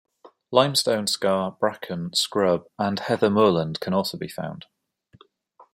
Limestone scar, bracken, scrub and heather moorland can also be found.